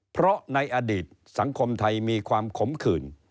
เพราะในอดีตสังคมไทยมีความขมขื่น